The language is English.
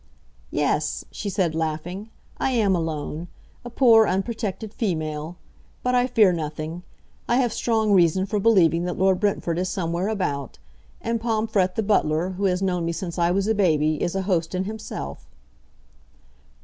"Yes," she said, laughing. "I am alone, a poor unprotected female. But I fear nothing. I have strong reason for believing that Lord Brentford is somewhere about. And Pomfret the butler, who has known me since I was a baby, is a host in himself."